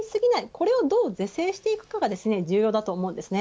これをどう是正していくかが重要だと思います。